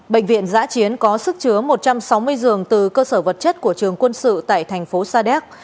bệnh viện giã chiến có sức chứa một trăm sáu mươi giường từ cơ sở vật chất của trường quân sự tại thành phố sa đéc